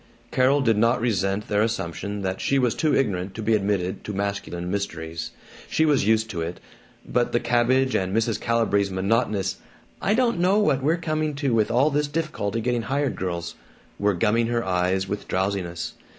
Carol did not resent their assumption that she was too ignorant to be admitted to masculine mysteries. She was used to it. But the cabbage and Mrs. Calibree's monotonous "I don't know what we're coming to with all this difficulty getting hired girls" were gumming her eyes with drowsiness.